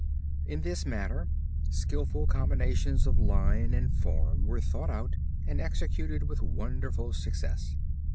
In this matter, skillful combinations of line and form were thought out and executed with wonderful success.